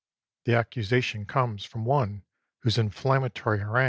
The accusation comes from one whose in flammatory haraL.